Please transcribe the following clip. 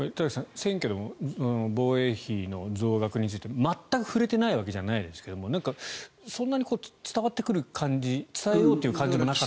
選挙でも防衛費の増額について全く触れてないわけじゃないですけどなんかそんなに伝わってくる感じ伝えようという感じもなかった。